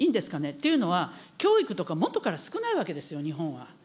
っていうのは、教育とかもとから少ないわけですよ、日本は。